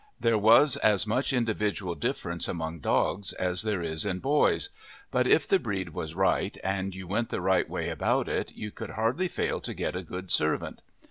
There was as much individual difference among dogs as there is in boys; but if the breed was right, and you went the right way about it, you could hardly fail to get a good servant.